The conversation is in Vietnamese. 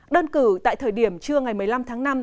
đơn cử tại thời điểm trưa ngày một mươi năm tháng năm